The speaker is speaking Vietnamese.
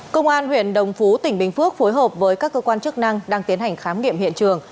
công an huyện đồng phú tỉnh bình phước phối hợp với các cơ quan chức năng đang tiến hành khám nghiệm hiện trường